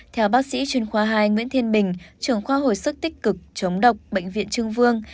theo bác sĩ chuyên khoa hai nguyễn thiên bình trưởng khoa hồi sức tích cực chống độc bệnh viện trưng vương